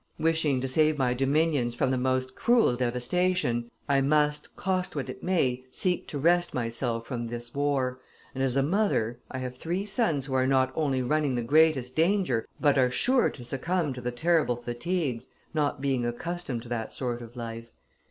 Wishing to save my dominions from the most cruel devastation, I must, cost what it may, seek to wrest myself from this war, and, as a mother, I have three sons who are not only running the greatest danger, but are sure to succumb to the terrible fatigues, not being accustomed to that sort of life.